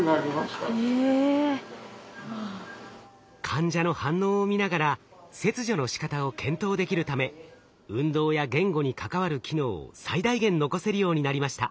患者の反応を見ながら切除のしかたを検討できるため運動や言語に関わる機能を最大限残せるようになりました。